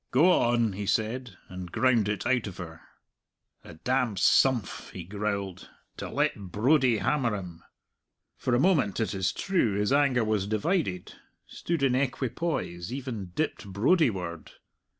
"Go on!" he said, and ground it out of her. "The damned sumph!" he growled, "to let Brodie hammer him!" For a moment, it is true, his anger was divided, stood in equipoise, even dipped "Brodie ward."